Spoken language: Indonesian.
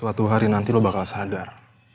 suatu hari nanti lo bakal sadar